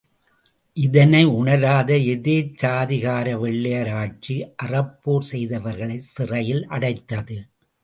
இதை உணராத எதேச்சாதிகார வெள்ளையராட்சி அறப்போர் செய்தவர்களைச் சிறையில் அடைத்தது.